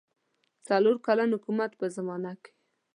څلور کلن حکومت په زمانه کې.